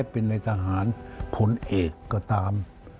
เป็นในทหารผลเอกก็ตาม